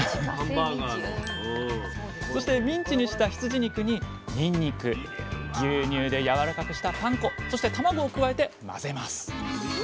ミンチにした羊肉ににんにく牛乳でやわらかくしたパン粉そして卵を加えて混ぜます。